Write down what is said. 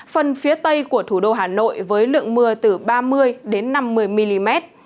phần phía tây của thủ đô hà nội với lượng mưa từ ba mươi năm mươi mm